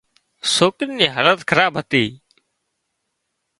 سوڪري نِي حالت خراب هتي